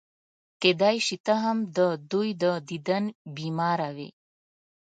کېدای شي ته هم د دوی د دیدن بیماره وې.